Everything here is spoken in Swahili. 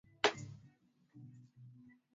hijja inafanyika maka katika mwezi wa dhulhija